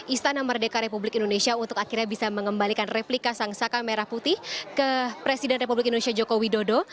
istana merdeka republik indonesia untuk akhirnya bisa mengembalikan replika sang saka merah putih ke presiden republik indonesia joko widodo